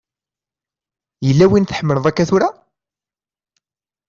Yella win tḥemmleḍ akka tura?